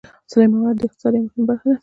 سلیمان غر د اقتصاد یوه مهمه برخه ده.